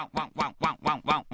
ワンワンワンワ。